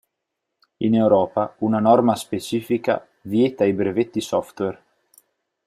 In Europa una norma specifica vieta i brevetti software.